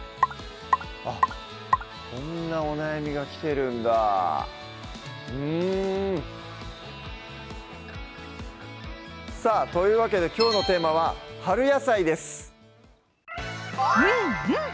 あっこんなお悩みが来てるんだうんさぁというわけできょうのテーマは「春野菜」です